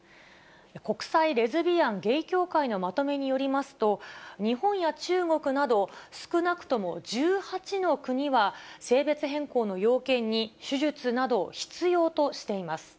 国際レズビアンゲイ協会のまとめによりますと、日本や中国など、少なくとも１８の国は、性別変更の要件に手術など必要としています。